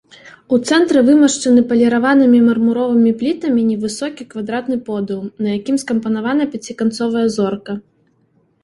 У цэнтры вымашчаны паліраванымі мармуровымі плітамі невысокі квадратны подыум, на якім скампанавана пяціканцовая зорка.